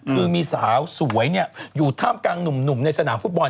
คือมีสาวสวยอยู่ท่ามกลางหนุ่มในสนามฟุตบอล